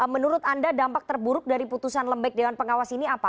menurut anda dampak terburuk dari putusan lembek dewan pengawas ini apa